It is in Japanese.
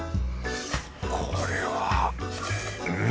これはうんうん。